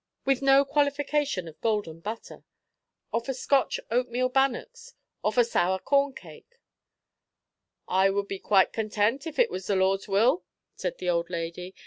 with no qualification of golden butter? or for Scotch oatmeal bannocks? or for sour corn cake?" "I would be quite content, if it was the Lord's will," said the old lady.